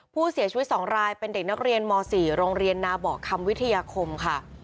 ผู้เสียชีวิต๒รายเป็นเด็กนักเรียนม๔โรงเรียนนาบอกคำวิทยาคมค่ะ